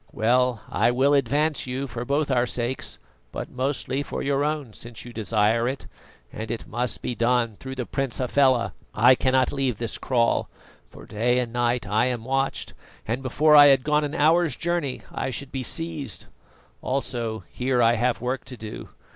Well, I will advance you, for both our sakes, but mostly for your own, since you desire it, and it must be done through the Prince Hafela. I cannot leave this kraal, for day and night I am watched, and before I had gone an hour's journey I should be seized; also here I have work to do.